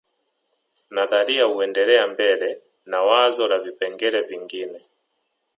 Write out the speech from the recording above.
Nadharia huendelea mbele na wazo la vipengele vingine